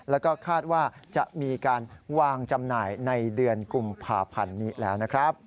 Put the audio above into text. แล้วก็คาดว่าจะมีการวางจำหน่ายในเดือนกุมภาพันธ์นี้แล้วนะครับ